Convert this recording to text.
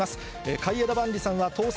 海江田万里さんは当選